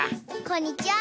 こんにちは。